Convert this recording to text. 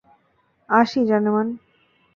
আসি, জানেমান।